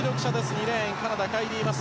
２レーン、カナダカイリー・マス。